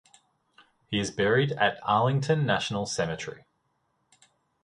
He is buried at Arlington National Cemetery.